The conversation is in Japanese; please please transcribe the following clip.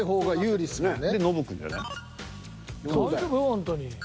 本当に。